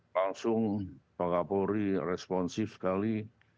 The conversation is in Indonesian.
langsung pak kapolri responsif sekali